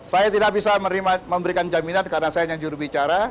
saya tidak bisa memberikan jaminan karena saya hanya jurubicara